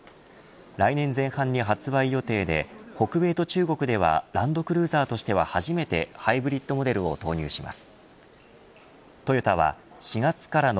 来年前半に発売予定で北米と中国ではランドクルーザーとしては初めてハイブリッドモデルを投入します。